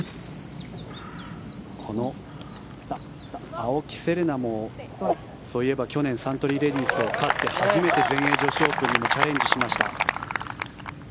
この青木瀬令奈もそういえば去年サントリーレディスを勝って初めて全英女子オープンにもチャレンジしました。